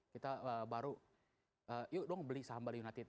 kita baru yuk dong beli saham bali united